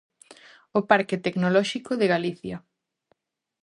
O Parque Tecnolóxico de Galicia.